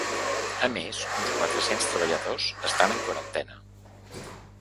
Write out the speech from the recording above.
A més, uns quatre-cents treballadors estan en quarantena.